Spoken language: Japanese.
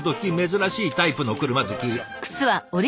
珍しいタイプの車好き。